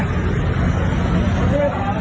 จัดกระบวนพร้อมกัน